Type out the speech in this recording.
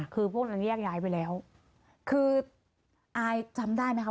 คือพวกนั้นแยกย้ายไปแล้วคืออายจำได้ไหมคะ